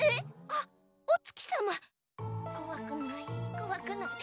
あっおつきさま？こわくないこわくない。